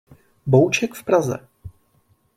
Bouček v Praze.